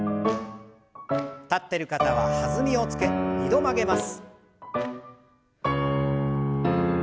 立ってる方は弾みをつけ２度曲げます。